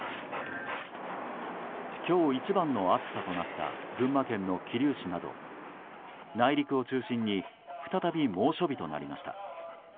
今日、一番の暑さとなった群馬県の桐生市など内陸を中心に再び猛暑日となりました。